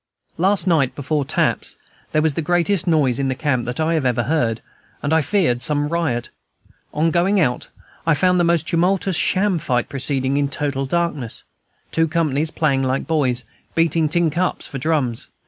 Last night, before "taps," there was the greatest noise in camp that I had ever heard, and I feared some riot. On going out, I found the most tumultuous sham fight proceeding in total darkness, two companies playing like boys, beating tin cups for drums.